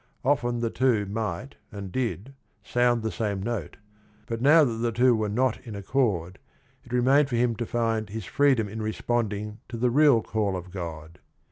Often the two might, and did, sound the same note, but now that the two were not in accord, it remained for him to find "his freedom in responding to the real call of God."